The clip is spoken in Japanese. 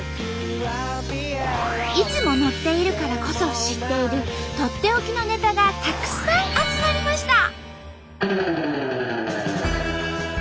いつも乗っているからこそ知っているとっておきのネタがたくさん集まりました！